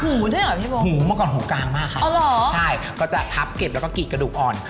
ด้วยเหรอพี่โบหูเมื่อก่อนหูกลางมากครับใช่ก็จะทับเก็บแล้วก็กรีดกระดูกอ่อน